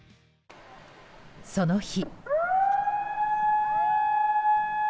その日。